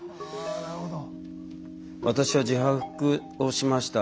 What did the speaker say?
「私は自白をしました。